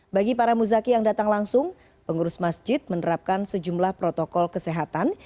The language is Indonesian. bagi para muzaki yang datang langsung pengurus masjid menerapkan sejumlah protokol kesehatan